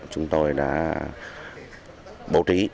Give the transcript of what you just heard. chúng tôi đã bố trí